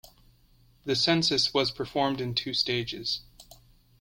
The census was performed in two stages.